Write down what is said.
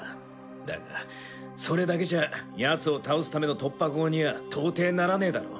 だがそれだけじゃヤツを倒すための突破口には到底ならねえだろう。